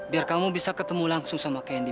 biar kamu bisa ketemu langsung sama kendi